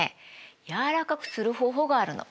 柔らかくする方法があるの。